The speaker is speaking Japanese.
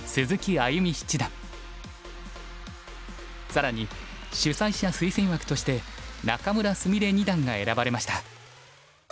更に主催者推薦枠として仲邑菫二段が選ばれました。